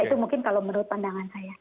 itu mungkin kalau menurut pandangan saya